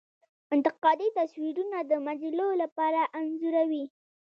انتقادي تصویرونه د مجلو لپاره انځوروي.